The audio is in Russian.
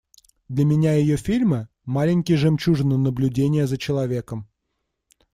Для меня ее фильмы – маленькие жемчужины наблюдения за человеком.